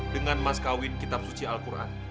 dengan mas kawin kitab suci al quran